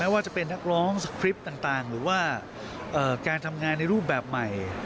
ว่าจะเป็นนักร้องสคริปต์ต่างหรือว่าการทำงานในรูปแบบใหม่